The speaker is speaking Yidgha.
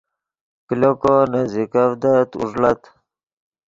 کلو کو نزیکڤدت اوݱڑت